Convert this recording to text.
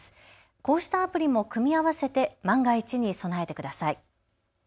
こうしたアプリも組み合わせて万が一に備えてください。